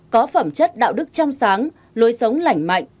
có phẩm chất đạo đức trong sáng lối sống lành mạnh